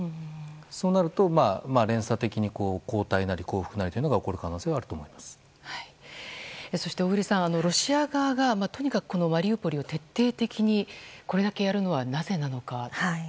そうなると、連鎖的に後退なり降伏なりというのがそして小栗さん、ロシア側がとにかくマリウポリを徹底的にこれだけやるのは、なぜなのか。